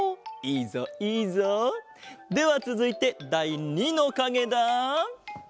いいぞいいぞ！ではつづいてだい２のかげだ。